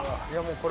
これ。